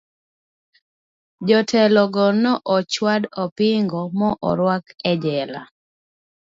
Jotelo go ne ochwad opingo ma orwak e jela.